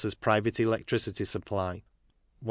Private Electricity Supply. 170.